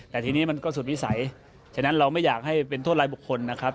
แต่ทีนี้มันก็สุดวิสัยฉะนั้นเราไม่อยากให้เป็นโทษรายบุคคลนะครับ